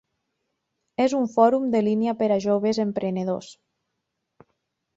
És un fòrum en línia per a joves emprenedors.